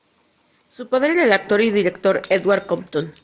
Su padre era el actor y director Edward Compton.